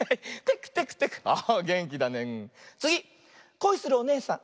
こいするおねえさん。